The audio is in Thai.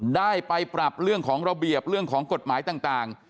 ได้ไปปรับเรื่องของระเบียบเรื่องของกฎหมายต่าง